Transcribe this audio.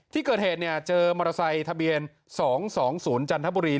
ที่เกิดเหตุเจอมอเตอร์ไซค์ทะเบียน๒๒๐จันทบุรี